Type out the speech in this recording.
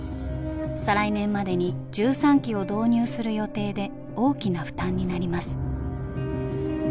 再来年までに１３機を導入する予定で大きな負担になります。